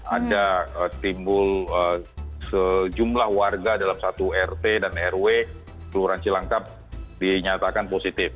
ada timbul sejumlah warga dalam satu rt dan rw kelurahan cilangkap dinyatakan positif